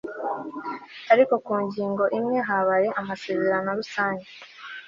ariko ku ngingo imwe habaye amasezerano rusange